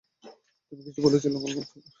তুমি কিছু বলছিলে মালহোত্রা?